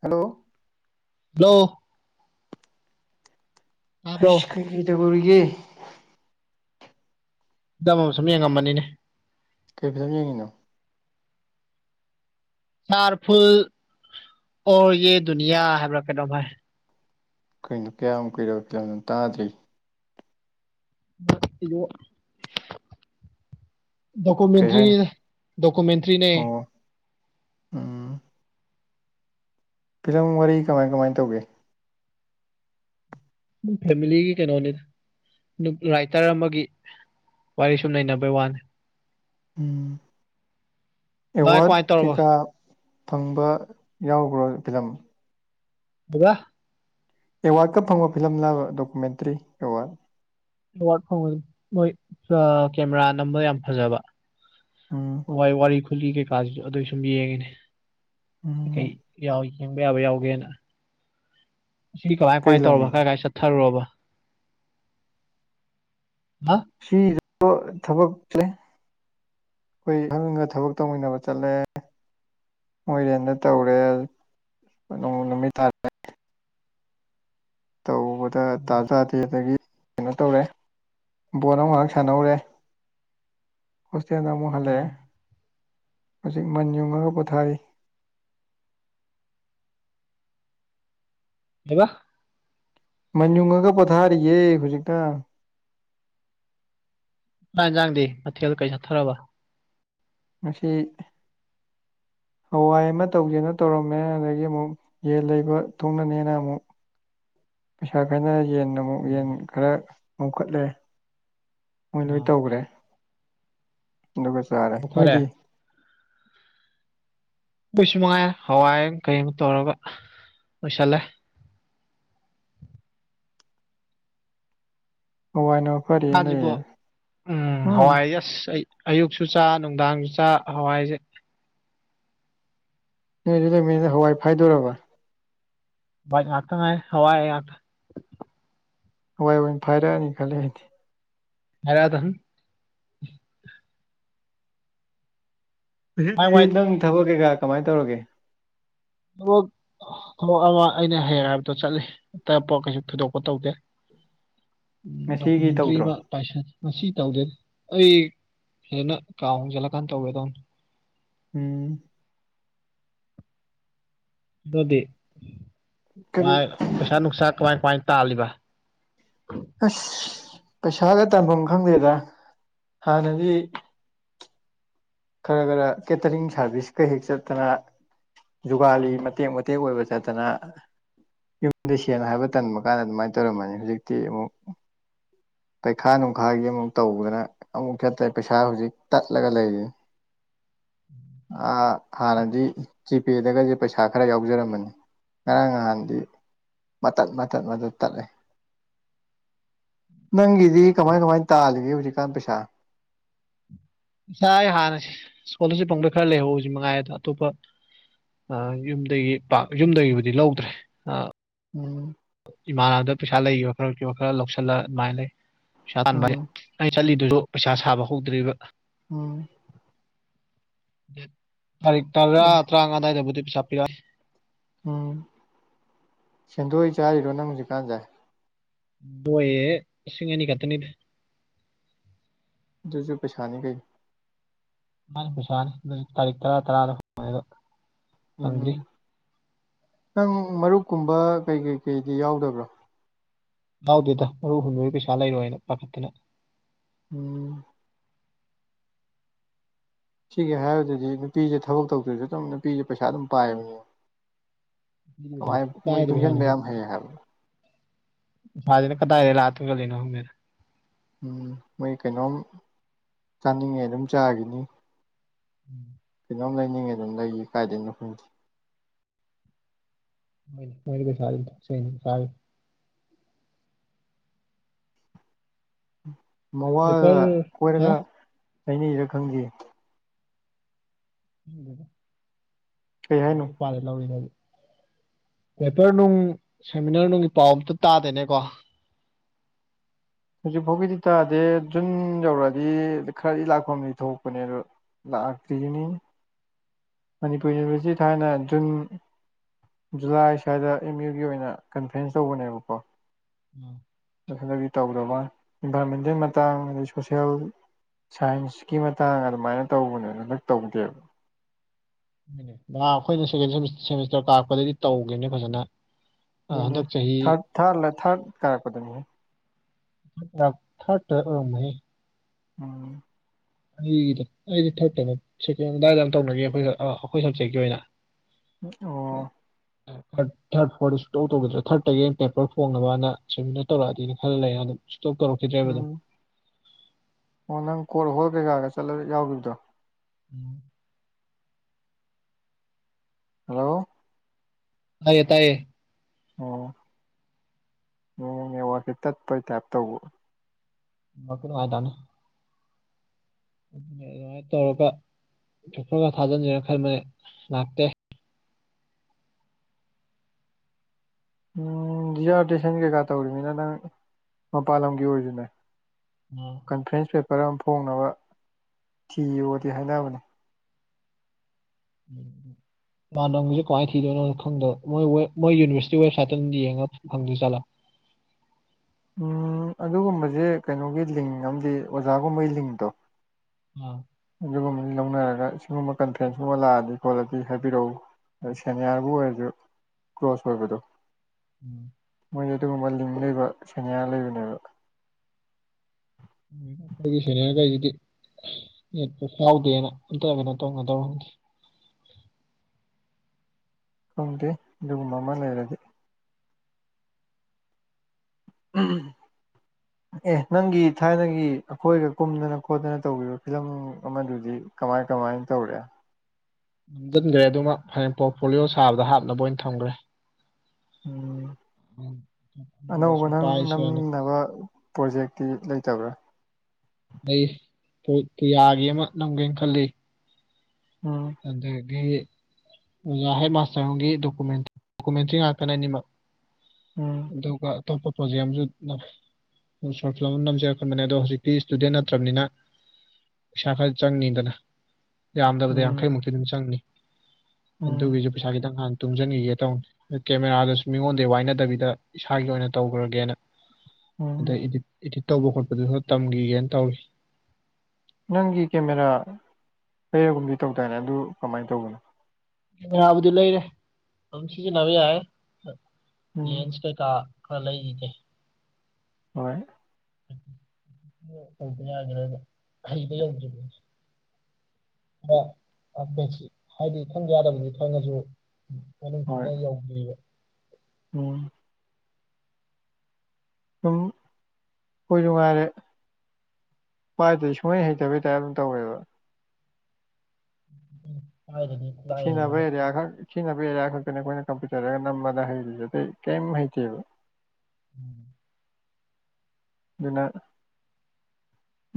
hello hello ꯑꯁ ꯇꯥꯕ꯭ꯔꯣ ꯀꯩ ꯀꯩ ꯇꯧꯔꯤꯒꯦ ꯏ ꯑꯃ ꯁꯨꯝ ꯌꯦꯡꯉꯝꯃꯅꯤꯅꯦ ꯀꯩꯐꯇꯪ ꯌꯦꯡꯉꯤꯅꯣ ꯆꯔ ꯐꯨꯜ ꯑꯣ ꯌꯦ ꯗꯨꯟꯌꯥ ꯍꯥꯏꯕ꯭ꯔꯥ ꯀꯩꯅꯣꯚꯥꯏ ꯑꯩꯈꯣꯏꯅꯣ ꯀꯌꯥꯝꯃ ꯀꯨꯏꯔꯕ ꯐꯤꯂꯝꯅꯣ ꯇꯥꯗ꯭ꯔꯤ ꯏꯗꯣ ꯀꯩ ꯗꯣꯀꯨꯃꯦꯟꯇ꯭ꯔꯤ ꯍꯥꯏꯅꯣ ꯗꯣꯀꯨꯃꯦꯟꯇꯔꯤꯅꯦ ꯑꯣ ꯎꯝ ꯐꯤꯂꯝ ꯋꯥꯔꯤ ꯀꯃꯥꯏ ꯀꯃꯥꯏꯅ ꯇꯧꯒꯦ ꯐꯦꯃꯤꯂꯤꯒꯤ ꯀꯩꯅꯣꯅꯤ ꯔꯥꯏꯇꯔ ꯑꯃꯒꯤ ꯋꯥꯔꯤ ꯁꯨꯝ ꯅꯩꯅꯅꯕꯩ ꯋꯥꯟ ꯎꯝ ꯚꯥꯏ ꯑꯦꯋꯥꯗ ꯀꯃꯥꯏꯅ ꯇꯧꯔꯕ ꯀꯀꯥ ꯐꯪꯕ ꯌꯥꯎꯕ꯭ꯔꯣ ꯐꯤꯂꯝ ꯕꯨꯕ ꯑꯦꯋꯥꯔꯗꯀ ꯐꯪꯕ ꯐꯤꯂꯝ ꯂꯅꯥꯕ ꯗꯣꯀꯨꯃꯦꯟꯇ꯭ꯔꯤ ꯑꯦꯋꯥꯔꯗ ꯑꯦꯋꯥꯔꯗ ꯐꯪꯕ ꯃꯣꯏ ꯀꯦꯃꯦꯔꯥ ꯅꯝꯕ ꯌꯥꯝ ꯐꯖꯕ ꯑꯥ ꯋꯥꯏ ꯋꯥꯔꯤ ꯈꯨꯂꯤ ꯀꯩꯀꯥꯁꯤꯁꯨ ꯑꯗꯨ ꯁꯨꯝ ꯌꯦꯡꯉꯤꯅꯦ ꯎꯝ ꯌꯥꯎꯏ ꯌꯦꯡꯕ ꯌꯥꯕ ꯌꯥꯎꯒꯦꯅ ꯁꯤ ꯀꯃꯥꯏ ꯀꯩ ꯀꯃꯥꯏ ꯇꯧꯔꯕ ꯂꯝꯒꯤꯅꯣ ꯈꯔ ꯀꯥꯏ ꯆꯠꯊꯔꯨꯔꯕ ꯍꯥ ꯁꯤ ꯊꯕꯛꯁꯦ ꯑꯩꯈꯣꯏ ꯈꯪꯒ ꯊꯕꯛ ꯇꯧꯃꯤꯟꯅꯕ ꯆꯠꯂꯦ ꯃꯣꯏꯔꯦꯟꯗ ꯇꯧꯔꯦ ꯅꯨꯃꯤ ꯇꯥꯔ ꯇꯧꯕꯗ ꯇꯥꯖꯥꯗꯦ ꯑꯗꯒꯤ ꯀꯩꯅꯣ ꯇꯧꯔꯦ ꯕꯣꯠ ꯑꯃ ꯉꯥꯏꯍꯥꯛ ꯁꯥꯟꯅꯍꯧꯔꯦ ꯍꯣꯁꯇꯦꯜꯗ ꯑꯃꯨꯛ ꯍꯜꯂꯛꯑꯦ ꯑꯥ ꯍꯧꯖꯤꯛ ꯃꯟ ꯌꯨꯡꯉꯒ ꯄꯣꯊꯥꯔꯤ ꯀꯕ ꯃꯟꯖꯨꯡꯉꯒ ꯄꯣꯊꯥꯔꯤꯌꯦ ꯍꯧꯖꯤꯛꯇ ꯆꯥꯛ ꯌꯦꯟꯁꯥꯡꯗꯤ ꯃꯊꯦꯜ ꯀꯩ ꯆꯠꯊꯔꯕ ꯃꯁꯤ ꯍꯋꯥꯏ ꯑꯃ ꯇꯧꯒꯦꯅ ꯇꯧꯔꯝꯃꯦ ꯑꯗꯒꯤ ꯑꯃꯨꯛ ꯌꯦꯟ ꯂꯩꯕ ꯊꯣꯛꯅꯅꯦꯅ ꯑꯃꯨꯛ ꯄꯩꯁꯥ ꯈꯥꯏꯅ ꯌꯦꯟ ꯑꯃꯨꯛ ꯌꯦꯟ ꯎꯝ ꯈꯔ ꯃꯨꯈꯠꯂꯦ ꯃꯣꯏ ꯂꯣꯏ ꯑꯥ ꯇꯧꯈ꯭ꯔꯦ ꯑꯗꯨꯒ ꯆꯥꯔꯦ ꯑꯣ ꯐꯔꯦ ꯅꯣꯏꯗꯤ ꯀꯣꯏꯁꯨ ꯃꯉꯥꯏꯦ ꯍꯋꯥꯏ ꯀꯔꯤꯝ ꯇꯧꯔꯒ ꯂꯣꯏꯁꯜꯂꯦ ꯍꯅꯣ ꯊꯥꯁꯤꯕꯣ ꯎꯝ ꯍꯋꯥꯏ ꯌꯦꯁ ꯑꯩ ꯑꯌꯨꯛꯁꯨ ꯆꯥ ꯅꯨꯡꯗꯥꯡꯁꯨ ꯆꯥ ꯍꯋꯥꯏꯁꯦ ꯅꯣꯏꯗꯨ ꯂꯣꯏꯃꯤꯅꯤꯅ ꯍꯋꯥꯏ ꯐꯥꯏꯗꯣꯔꯔꯕ ꯑꯇ ꯉ ꯍꯋꯥꯏ ꯑꯇ ꯍꯣꯏ ꯍꯣꯏꯅꯦ ꯐꯥꯏꯔꯛꯑꯅꯤ ꯈꯜꯂꯦ ꯍꯥꯏꯗꯤ ꯍꯥꯏꯔꯗ ꯃꯥꯏ ꯑꯁꯤꯗꯤ ꯋꯥꯏ ꯅꯪ ꯊꯕꯛ ꯀꯩꯀꯥ ꯀꯃꯥꯏꯅ ꯇꯧꯔꯒꯦ ꯑꯗꯨ ꯑꯃ ꯑꯩꯅ ꯍꯌꯦꯡ ꯍꯥꯏꯕꯗꯣ ꯆꯠꯂꯤ ꯑꯇꯞꯄ ꯀꯩꯁꯨ ꯊꯣꯏꯗꯣꯛꯄ ꯇꯧꯗꯦ ꯉꯁꯤꯒꯤ ꯗꯀꯨꯃꯦꯟꯇꯔꯤ ꯇꯧꯗ꯭ꯔꯣ ꯄꯥꯏꯁ ꯃꯁꯤ ꯇꯧꯗꯦ ꯑꯩ ꯍꯦꯟꯅ ꯀꯥꯎ ꯍꯣꯡꯖꯤꯜꯂꯀꯥꯟꯗ ꯇꯧꯒꯦꯗꯧꯅꯦ ꯎꯝ ꯑꯗꯨꯗꯤ ꯀꯔꯤ ꯄꯩꯁꯥ ꯅꯨꯡꯁꯥ ꯀꯃꯥꯏ ꯀꯃꯥꯏ ꯇꯥꯜꯂꯤꯕ ꯑꯁ ꯄꯩꯁꯥꯒ ꯇꯝꯐꯝ ꯈꯪꯗꯦꯗ ꯍꯥꯟꯅꯗꯤ ꯈꯔ ꯈꯔ ꯀꯦꯇꯔꯤꯡ ꯁꯥꯔꯚꯤꯁꯀ ꯍꯦꯛ ꯆꯠꯇꯅ ꯖꯨꯒꯥꯂꯤ ꯃꯇꯦꯛ ꯃꯇ ꯑꯣꯏꯣꯏꯕ ꯆꯇꯅ ꯌꯨꯝꯗ ꯁꯦꯟꯅ ꯍꯥꯏꯕ ꯇꯟꯕ ꯀꯥꯟꯗ ꯑꯗꯨꯃꯥꯏꯅ ꯇꯧꯔꯝꯃꯅꯤ ꯍꯧꯖꯤꯛꯇꯤ ꯑꯃꯨꯛ ꯄꯩꯈꯥ ꯅꯨꯡꯈꯥꯒꯤ ꯑꯃꯨꯛ ꯇꯧꯕꯗꯅ ꯑꯃꯨꯛ ꯆꯦꯠꯇꯦ ꯄꯩꯁꯥ ꯍꯧꯖꯤꯛ ꯇꯠꯂꯒ ꯂꯩꯔꯤ ꯑꯥ ꯍꯥꯟꯅꯗꯤ ꯖꯤꯄꯦꯗꯒꯁꯦ ꯄꯩꯁꯥ ꯈꯔ ꯌꯥꯎꯖꯔꯝꯕꯅꯤ ꯉꯔꯥꯡ ꯅꯍꯥꯟꯗꯤ ꯃꯊꯠ ꯃꯊꯠ ꯃꯊꯠ ꯇꯠꯂꯦ ꯅꯪꯒꯤꯗꯤ ꯀꯃꯥꯏ ꯀꯃꯥꯏꯅ ꯇꯥꯜꯂꯤꯒꯦ ꯍꯧꯖꯤꯛꯀꯥꯟ ꯄꯩꯁꯥ ꯏꯁꯥ ꯑꯩ ꯍꯥꯟꯅ ꯏꯁꯀꯣꯂꯔꯁꯤꯞ ꯐꯪꯗ ꯈꯔ ꯂꯩꯍꯧꯁꯤ ꯃꯉꯥꯏ ꯑꯗ ꯑꯇꯣꯞꯄ ꯌꯨꯝꯗꯒꯤ ꯄꯥꯛ ꯌꯨꯝꯗꯒꯤꯕꯨꯗꯤ ꯂꯧꯗ꯭ꯔꯦ ꯎꯝ ꯏꯃꯥꯟꯅꯕꯗ ꯄꯩꯁꯥ ꯂꯩꯈꯤꯕ ꯈꯔ ꯈꯔ ꯂꯧꯁꯤꯜꯂ ꯑꯗꯨꯃꯥꯏꯅ ꯂꯩ ꯄꯩꯁꯥ ꯇꯥꯟꯕ ꯎꯝ ꯑꯩ ꯆꯠꯂꯤꯗꯨꯁꯨ ꯄꯩꯁꯥ ꯁꯥꯕ ꯍꯧꯗ꯭ꯔꯤꯕ ꯎꯝ ꯇꯥꯔꯤꯛ ꯇꯔꯥ ꯇꯔꯥꯉꯥ ꯑꯗꯨꯋꯥꯏꯗꯕꯨꯗꯤ ꯄꯩꯁꯥ ꯄꯤꯔꯛꯑꯣꯦ ꯎꯝ ꯁꯦꯟꯗꯣꯛ ꯆꯥꯔꯤꯔꯣ ꯅꯪ ꯍꯧꯖꯤꯛꯀꯥꯟꯁꯦ ꯕꯣꯏꯑꯦ ꯏꯁꯤꯡ ꯑꯅꯤ ꯀꯇꯅꯤꯗ ꯑꯗꯨꯁꯨ ꯄꯩꯁꯥꯅꯤ ꯀꯩ ꯃꯥ ꯄꯩꯁꯥꯅꯤ ꯇꯥꯔꯤꯛ ꯇꯔꯥ ꯇꯔꯥꯗ ꯐꯪꯗ꯭ꯔꯤ ꯎꯝ ꯅꯪ ꯃꯔꯨꯞꯀꯨꯝꯕ ꯀꯩ ꯀꯩ ꯀꯩꯗꯤ ꯌꯥꯎꯗꯕ꯭ꯔꯣ ꯂꯎꯗꯦꯗ ꯃꯔꯨ ꯍꯨꯝꯕꯒꯤ ꯄꯩꯁꯥ ꯂꯩꯔꯣꯏ ꯍꯥꯏꯅ ꯄꯥꯈꯠꯇꯅ ꯎꯝ ꯁꯤꯒꯤꯦ ꯍꯥꯏꯕꯗꯗꯤ ꯅꯨꯄꯤꯁꯦ ꯊꯕꯛ ꯇꯧꯗ꯭ꯔꯁꯨ ꯑꯗꯨꯝ ꯅꯨꯄꯤꯁꯦ ꯄꯩꯁꯥ ꯑꯗꯨꯝ ꯄꯥꯏꯕꯅꯦ ꯀꯃꯥꯏ ꯃꯣꯏ ꯀꯥꯏꯗ ꯇꯨꯡꯖ ꯄꯩꯁꯥꯅꯣ ꯌꯥꯝ ꯍꯥꯏꯌꯦ ꯍꯥꯏ ꯐꯖꯅ ꯀꯗꯥꯔ ꯂꯥꯇꯒ ꯂꯩꯅ ꯍ ꯃ ꯎꯝ ꯃꯣꯏ ꯀꯩꯅꯣꯝ ꯆꯥꯅꯤꯡꯉꯦ ꯑꯗꯨꯝ ꯆꯥꯈꯤꯅꯤ ꯎꯝ ꯀꯩꯅꯣꯝ ꯂꯩꯅꯤꯡꯉꯦ ꯑꯗꯨꯝ ꯂꯩꯌꯦ ꯀꯥꯏꯗꯣꯏꯅꯣ ꯍꯪꯗꯦ ꯃꯣꯏ ꯃꯣꯏ ꯀꯩꯁꯥ ꯁꯥ ꯃꯋꯥ ꯄꯦꯄꯔ ꯍꯥ ꯀꯣꯏꯔꯒ ꯍꯥꯏꯅꯩꯔ ꯈꯪꯗꯦ ꯀꯩ ꯥꯏ ꯍꯥꯏꯅꯣ ꯅꯨꯄꯥꯗ ꯂꯧꯋꯅꯦꯗꯤ ꯄꯦꯄꯔ ꯅꯨꯡ ꯁꯦꯃꯤꯅꯥꯔ ꯅꯨꯡꯒꯤ ꯄꯥꯎ ꯑꯝꯇ ꯇꯥꯗꯦꯅꯦꯀꯣ ꯍꯧꯖꯤꯛ ꯐꯥꯎꯒꯤꯗꯤ ꯇꯥꯗꯦ ꯖꯟ ꯌꯧꯔꯛꯑꯗꯤ ꯈꯔꯗꯤ ꯂꯥꯛꯐꯝꯗꯤ ꯊꯣꯛꯄꯅꯦ ꯑꯗꯣ ꯂꯥꯛ ꯀꯔꯤꯅꯤ ꯃꯅꯤꯄꯨꯔ ꯌꯨꯅꯤꯚꯔꯁꯤꯇꯤ ꯊꯥꯏꯅ ꯖꯨꯟ ꯖꯨꯂꯥꯏ ꯁ꯭ꯋꯥꯏꯗ ꯑꯦꯝ ꯌꯨꯒꯤ ꯑꯣꯏꯅ ꯀꯟꯚ꯭ꯔꯦꯟꯁ ꯇꯧꯕꯅꯦꯕꯀꯣ ꯎꯝ ꯑꯗꯨ ꯈꯗꯒꯤ ꯇꯧꯗꯕ ꯏꯟꯚꯥꯏꯔꯣꯟꯃꯦꯟꯇꯦꯜ ꯃꯇꯥꯡ ꯑꯗꯩ ꯁꯣꯁꯦꯜ ꯁꯥꯏꯟꯁꯀꯤ ꯃꯇꯥꯡ ꯑꯗꯨꯃꯥꯏꯅ ꯇꯧꯕꯅꯦ ꯍꯟꯗꯛ ꯇꯧꯗꯦꯕ ꯉꯥꯍꯥꯟ ꯑꯩꯈꯣꯏꯅ ꯁꯦꯀꯦꯟ ꯁꯦꯃꯤꯁꯇꯔ ꯀꯥꯔꯛꯄꯗꯗꯤ ꯇꯧꯒꯤꯕꯅꯦ ꯐꯖꯅ ꯑ ꯑꯗꯨꯅꯦ ꯍꯟꯗꯛ ꯆꯍꯤ ꯊꯥꯔꯠ ꯊꯥꯔꯠ ꯊꯥꯔꯠ ꯀꯥꯔꯛꯄꯗꯅꯤꯍꯦ ꯊꯔꯠ꯭ ꯇ ꯑꯣꯏꯔꯝꯒꯅꯤ ꯎꯝ ꯑꯩꯒꯤꯗ ꯑꯩꯗꯤ ꯊꯥꯔꯗ ꯀꯩꯅ ꯁꯦꯀꯦꯟ ꯑꯗꯨꯗꯥꯏꯗ ꯌꯥꯝ ꯇꯧꯅꯒꯦ ꯑꯩꯈꯣꯏ ꯑꯩꯈꯣꯏ ꯁꯞꯖꯦꯛꯀꯤ ꯑꯣꯏꯅ ꯑꯣ ꯊꯥꯔꯠ ꯊꯥꯔꯠ ꯐꯣꯔ ꯁꯨ ꯇꯧ ꯇꯧꯒꯗ꯭ꯔꯥ ꯊꯔꯠꯇꯒꯤ ꯍꯩꯅ ꯄꯦꯄꯔ ꯐꯣꯡꯅꯕꯅ ꯁꯦꯃꯤꯅꯥꯔ ꯇꯧꯔꯛꯑꯗꯤꯅ ꯈꯜꯂꯦ ꯑꯗꯨꯝ ꯁꯇꯣꯔꯣ ꯈꯈꯤꯇ꯭ꯔꯦꯕꯝ ꯎꯝ ꯑꯣ ꯅꯪ ꯀꯣꯔ ꯍꯣꯜ ꯀꯩꯀꯥꯒ ꯆꯠꯂ ꯌꯥꯎꯈꯤꯕꯗꯣ ꯎꯝ ꯍꯜꯂꯣ ꯇꯌꯦ ꯇꯥꯏꯌꯦ ꯑꯣ ꯅꯦꯋꯥꯛꯁꯦ ꯇꯠꯄꯩ ꯇꯥꯏꯞ ꯇꯧꯕ ꯃꯀꯔꯗꯅ ꯑꯗꯨꯅꯦ ꯑꯗꯨꯃꯥꯏꯅ ꯇꯧꯔꯒ ꯆꯊꯒ ꯊꯥꯖꯤꯟꯒꯦꯅ ꯈꯟꯕꯅꯦ ꯂꯥꯛꯇꯦ ꯎꯝ ꯔꯤꯖꯥꯔꯇꯦꯁꯟ ꯀꯩꯀꯥ ꯇꯧꯔꯤꯃꯤꯅ ꯅꯪ ꯃꯄꯥꯟ ꯂꯝꯒꯤ ꯑꯣꯏꯁꯨꯅꯦ ꯎꯝ ꯀꯟꯐ꯭ꯔꯦꯟꯁ ꯄꯦꯄꯔ ꯑꯃ ꯐꯣꯡꯅꯕ ꯊꯤꯌꯣꯗꯤ ꯍꯥꯏꯅꯕꯅꯤ ꯎꯝ ꯃꯥꯥꯟ ꯅꯪꯒꯤꯁ ꯀꯃꯥꯏꯅ ꯊꯗꯣꯏꯅꯣ ꯈꯪꯗꯣ ꯃꯣꯏ ꯃꯣꯏ ꯌꯨꯅꯤꯚꯔꯁꯤꯇꯤ ꯋꯦꯕꯁꯥꯏꯠꯇ ꯑꯗꯨꯝ ꯌꯦꯡꯒ ꯐꯪꯗꯣꯏ ꯆꯠꯂꯣ ꯎꯝ ꯑꯗꯨꯒꯨꯝꯕꯁꯦ ꯀꯩꯅꯣꯒꯤ ꯂꯤꯡ ꯑꯃꯗꯤ ꯑꯣꯖꯥꯒꯨꯝꯕꯒꯤ ꯂꯤꯡꯗꯣ ꯎꯝ ꯑꯗꯨꯒꯨꯝꯕꯅꯤ ꯂꯧꯅꯔꯒ ꯁꯤꯒꯨꯝꯕ ꯀꯟꯐ꯭ꯔꯦꯟꯁꯀꯨꯝꯕ ꯂꯥꯛꯑꯗꯤ ꯈꯣꯠꯂꯗꯤ ꯍꯥꯏꯕꯤꯔꯛꯎ ꯁꯦꯅꯤꯌꯥꯔꯕꯨ ꯑꯣꯏꯔꯁꯨ ꯀ꯭ꯂꯣꯁ ꯑꯣꯏꯕꯗꯣ ꯎꯝ ꯃꯣꯏꯗꯤ ꯑꯗꯨꯒꯨꯝꯕ ꯂꯤꯡꯕ ꯂꯩꯕ ꯁꯦꯅꯤꯌꯥ ꯂꯩꯕꯅꯦꯕ ꯎ ꯑꯩꯈꯣꯏꯒꯤ ꯁꯦꯅꯤꯌꯥꯔꯈꯩꯁꯤꯗꯤ ꯌꯦꯠꯄ ꯁꯥꯎꯗꯦꯅ ꯑꯝꯇ ꯀꯩꯅꯣ ꯇꯧꯅ ꯇꯧꯔꯦ ꯈꯪꯗꯦ ꯑꯗꯨꯒꯨꯝꯕ ꯑꯃ ꯂꯩꯔꯗꯤ ꯎꯝ ꯏꯝ ꯑꯦ ꯅꯪꯒꯤ ꯊꯥꯏꯅꯒꯤ ꯑꯩꯈꯣꯏꯒ ꯀꯨꯝꯗꯅ ꯈꯣꯠꯇꯅ ꯇꯧꯈꯤꯕ ꯐꯤꯂꯝ ꯑꯃꯗꯨꯗꯤ ꯀꯃꯥꯏ ꯀꯃꯥꯏꯅ ꯇꯧꯔꯦ ꯅꯝꯁꯤꯟꯈ꯭ꯔꯦ ꯑꯗꯨꯃꯛ ꯐꯌꯦꯡ ꯄꯣꯔꯠꯐꯣꯂꯤꯌꯣ ꯁꯥꯕꯗ ꯍꯥꯞꯅꯕ ꯑꯣꯏꯅ ꯊꯝꯈ꯭ꯔꯦ ꯎꯝ ꯎꯝ ꯑꯅꯧꯕ ꯁꯨꯝ ꯅꯪ ꯄꯥꯏꯁꯤꯔꯅ ꯅꯝꯅꯕ ꯄ꯭ꯔꯣꯖꯦꯛꯇꯤ ꯂꯩꯇꯕ꯭ꯔꯥ ꯑꯩ ꯄꯨꯌꯥꯒꯤ ꯑꯃ ꯅꯝꯒꯦꯅ ꯈꯜꯂꯤ ꯎꯝ ꯑꯗꯒꯤ ꯑꯣꯖꯥ ꯍꯦꯠ ꯃꯥꯁꯇꯔꯒꯤ ꯗꯣꯀꯨꯦꯟ ꯗꯣꯀꯨꯃꯦꯟꯇ꯭ꯔꯤ ꯉꯥꯛꯇꯅꯤ ꯑꯅꯤꯃꯛ ꯎꯝ ꯑꯗꯨꯒ ꯑꯇꯣꯞꯄ ꯄ꯭ꯔꯣꯖꯦꯛ ꯑꯃꯁꯨ ꯁꯣꯔꯠ ꯐꯤꯂꯝ ꯑꯃ ꯅꯝꯖꯔꯛꯀꯄꯕꯅꯦ ꯑꯣ ꯍꯧꯖꯤꯛꯇꯤ ꯏꯁꯇꯨꯗꯦꯟ ꯅꯠꯇ꯭ꯔꯕꯅꯤꯅ ꯄꯩꯁꯥ ꯈꯔ ꯆꯪꯅꯤꯗꯅ ꯌꯥꯝꯗꯕꯗ ꯎꯝ ꯌꯥꯡꯈꯩꯃꯨꯛꯇꯤ ꯑꯗꯨꯝ ꯆꯪꯅꯤ ꯎꯝ ꯑꯗꯨꯒꯤꯁꯨ ꯄꯩꯁꯥ ꯈꯤꯇꯪ ꯍꯥꯟꯅ ꯇꯨꯡꯁꯤꯟꯈꯤꯒꯦ ꯇꯧꯅꯤ ꯀꯦꯃꯦꯔꯥꯗꯨꯁꯨ ꯃꯤꯉꯣꯟꯗꯒꯤ ꯋꯥꯏꯅꯗꯕꯤꯗ ꯏꯁꯥꯒꯤ ꯑꯣꯏꯅ ꯇꯧꯈ꯭ꯔꯒꯦꯅ ꯎꯝ ꯑꯗ ꯏꯗꯤꯠ ꯏꯗꯤꯠ ꯇꯧꯕ ꯈꯣꯠꯄꯗꯨꯁꯨ ꯇꯝꯈꯤꯒꯦꯅ ꯇꯧꯏ ꯅꯪꯒꯤ ꯀꯦꯃꯦꯔꯥ ꯀꯔꯒꯨꯝꯗꯤ ꯇꯧꯗꯥꯏꯅꯦ ꯑꯗꯨ ꯀꯃꯥꯏꯅ ꯇꯧꯕꯅꯣ ꯀꯦꯃꯦꯔꯥ ꯕꯨꯗꯤ ꯂꯩꯔꯦ ꯑꯗꯨꯝ ꯁꯤꯖꯤꯟꯅꯕ ꯌꯥꯏ ꯎꯝ ꯂꯦꯟꯁ ꯀꯩꯀꯥ ꯈ ꯂꯩ ꯏꯅꯦ ꯍꯣꯏ ꯇꯧꯕ ꯌꯥꯒꯦꯔꯥꯅꯦ ꯍꯩꯕ ꯌꯧꯗ꯭ꯔꯤꯕꯒꯤ ꯍꯥꯏꯗꯤ ꯈꯪꯕ ꯌꯥꯗꯕꯗꯤ ꯈꯪꯉꯁꯨ ꯍ ꯍꯣꯏ ꯆꯅ ꯌꯥꯎꯕ ꯎꯝ ꯁꯨꯝ ꯑꯩꯈꯣꯏ ꯅꯨꯡꯉꯥꯏꯔꯦ ꯄꯥꯏꯗꯗꯤ ꯁꯨꯡꯃꯩ ꯍꯩꯇꯕꯩ ꯇꯥꯏꯔꯞ ꯑꯗꯨꯝ ꯇꯧꯋꯦꯕ ꯎꯝ ꯍꯥꯏꯥꯏꯗꯅꯦ ꯁꯤꯅꯕꯩ ꯑꯦꯔꯦ ꯑꯩ ꯈꯥꯡ ꯁꯤꯖꯤꯟꯅꯕ ꯑꯦꯔꯤꯌꯥ ꯈꯛꯇꯅꯤ ꯑꯩꯈꯣꯏꯅ ꯀꯝꯄ꯭ꯌꯨ ꯇꯔꯒ ꯅꯝꯕꯅ ꯍꯩꯔꯤꯁꯦ ꯑꯇꯩ ꯀꯔꯤꯝ ꯍꯩꯇꯦꯕ ꯎꯝ ꯑꯗꯨꯅ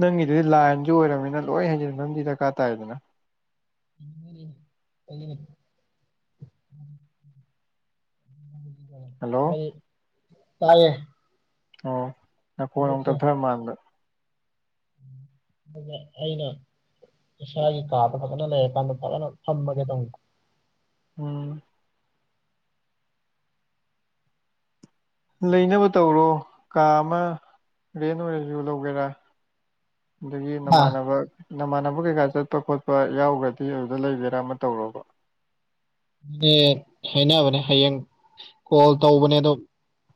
ꯅꯪꯒꯤꯗꯨꯗꯤ ꯂꯥꯏꯟꯁꯨ ꯑꯣꯏꯔꯃꯤꯅ ꯂꯣꯏ ꯍꯩꯖꯤꯟ ꯑꯃꯗꯤ ꯗꯔꯀꯥꯔ ꯇꯥꯏꯗꯅ ꯎꯝ ꯎꯝ ꯍꯜꯂꯣ ꯑꯩ ꯀꯥꯏ ꯑꯧ ꯅꯈꯣꯟ ꯑꯃꯨꯛ ꯇꯞꯊꯔꯛꯄ ꯃꯥꯟꯕ ꯑꯩꯅ ꯏꯁꯥꯒꯤ ꯀꯥꯗ ꯐꯖꯅ ꯂꯩꯔ ꯀꯥꯟꯗ ꯐꯖꯅ ꯐꯝꯃꯒ ꯇꯧꯅꯤꯡꯕ ꯎꯝ ꯂꯩꯅꯕ ꯇꯧꯔꯣ ꯀꯥ ꯑꯃ ꯔꯦꯟ ꯑꯣꯏꯔꯁꯨ ꯂꯧꯒꯦꯔꯥ ꯑꯗꯒꯤ ꯑꯥ ꯅꯃꯥꯟꯅꯕ ꯅꯃꯥꯟꯅꯕ ꯀꯩꯀꯥ ꯆꯠꯄ ꯈꯣꯠꯄ ꯌꯥꯎꯈ꯭ꯔꯗꯤ ꯑꯗꯨꯗ ꯂꯩꯒꯦꯔꯥ ꯑꯃ ꯇꯧꯔꯣꯕ ꯍꯥꯏꯅꯕꯅꯦ ꯍꯌꯦꯡ ꯀꯣꯜ ꯇꯧꯕꯅꯦ ꯑꯗꯣ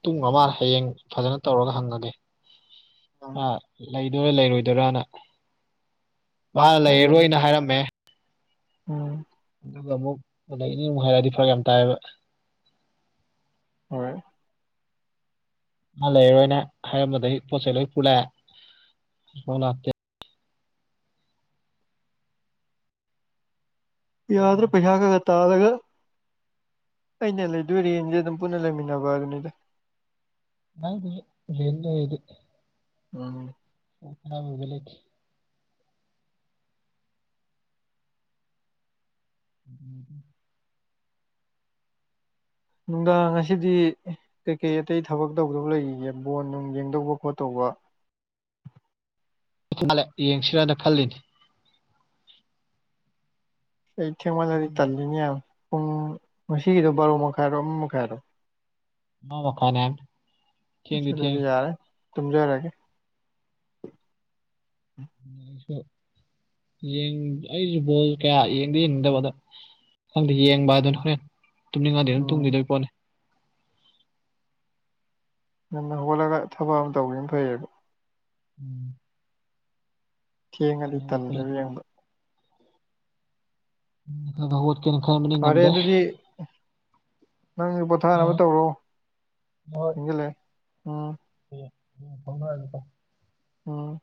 ꯇꯨꯝꯒꯔ ꯃꯥꯜꯂꯦ ꯍꯌꯦꯡ ꯐꯖꯅ ꯇꯧꯔꯒ ꯍꯪꯉꯒꯦ ꯎꯝ ꯑ ꯂꯩꯗꯣꯏꯔꯥ ꯂꯩꯔꯣꯏꯗꯣꯏꯔꯅ ꯃꯥꯅ ꯂꯩꯔꯔꯣꯏꯅ ꯍꯥꯏꯔꯝꯃꯦ ꯎꯝ ꯑꯗꯨꯒ ꯑꯃꯨꯛ ꯑꯗꯩ ꯑꯃꯨꯛ ꯍꯥꯏꯔꯗꯤ ꯐꯔꯛ ꯌꯥꯝ ꯇꯥꯏꯌꯦꯕ ꯍꯣꯏ ꯃꯥ ꯂꯩꯔꯔꯣꯏꯅꯦ ꯍꯥꯏꯔꯝꯕꯗꯒꯤ ꯄꯣꯠ ꯆꯩꯩ ꯂꯣꯏ ꯄꯨꯜꯂꯛꯑꯦ ꯌꯥꯗ꯭ꯔꯣ ꯄꯩꯁꯥꯒꯦ ꯇꯥꯔꯒ ꯑꯩꯅ ꯂꯩꯗꯣꯏ ꯔꯦꯟꯁꯦ ꯑꯗꯨꯝ ꯄꯨꯟꯅ ꯂꯩꯃꯤꯟꯅꯕ ꯑꯗꯨꯅꯤꯗ ꯍꯗꯤ ꯌꯦꯂ ꯏꯗꯤ ꯎꯝ ꯑꯍꯥꯟꯕ ꯕꯦꯂꯤꯠ ꯎ ꯅꯨꯡꯗꯥꯡ ꯉ ꯑꯁꯤꯗꯤ ꯀꯩꯀꯩ ꯑꯇꯩ ꯊꯕꯛ ꯇꯧꯗꯧꯕ ꯂꯩꯔꯤꯒꯦ ꯕꯣꯟ ꯅꯨꯡ ꯌꯦꯡꯗꯧꯕ ꯈꯣꯠꯇꯧꯕ ꯃꯥꯜꯂꯦ ꯌꯦꯡꯁꯤꯔꯅ ꯈꯜꯂꯤꯅꯤ ꯑꯩ ꯊꯦꯡꯃꯜꯂꯗꯤ ꯇꯜꯂꯤꯅꯦ ꯄꯨꯡ ꯉꯁꯤꯒꯤꯗꯣ ꯕꯥꯔꯣ ꯃꯈꯥꯏꯔꯣ ꯑꯃ ꯃꯈꯥꯏꯔꯣ ꯃ ꯋꯥꯈ ꯅ ꯆ ꯑꯗꯨꯗꯤ ꯌꯥꯔꯦ ꯇꯨꯝꯖꯔꯒꯦ ꯕꯤ ꯄꯤ ꯁꯇ꯭ꯔꯣꯛ ꯑꯩꯁꯨ ꯕꯣꯜ ꯀꯌꯥ ꯌꯦꯡꯗ ꯌꯦꯡꯅꯤꯡꯗꯕ ꯑꯗꯣ ꯈꯪꯗꯦ ꯌꯦꯡꯕ ꯑꯗꯨꯅꯤ ꯍꯣꯔꯦꯟ ꯇꯨꯝꯅꯤꯡꯉꯗꯤ ꯑꯗꯨꯝ ꯎꯝ ꯇꯨꯝꯈꯤꯗꯣꯏ ꯄꯣꯠꯅꯤ ꯉꯟꯅ ꯍꯧꯒꯠꯂꯒ ꯊꯕꯛ ꯑꯃ ꯇꯧꯒꯤꯕꯅ ꯐꯩꯌꯦꯕ ꯎꯝ ꯊꯦꯡꯉꯗꯤ ꯉꯟꯅ ꯇꯜꯂꯦ ꯍꯧꯒꯠꯄꯅꯤ ꯌꯦꯡꯕ ꯎ ꯀꯩꯅ ꯈ ꯐꯔꯦ ꯑꯗꯨꯗꯤ ꯅꯪꯒꯤ ꯄꯣꯊꯥꯅꯕ ꯍꯣꯏ ꯇꯧꯔꯣ ꯊꯦꯡꯖꯤꯜꯂꯑꯦ ꯎꯝ ꯍ ꯐꯅ ꯍꯥꯏꯅꯀ ꯑꯣꯝ